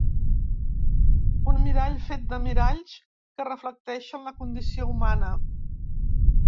Un mirall fet de miralls que reflecteixen la condició humana.